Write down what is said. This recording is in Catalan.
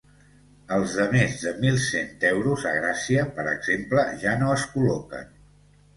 Els de més de mil cent euros a Gràcia, per exemple, ja no es col·loquen.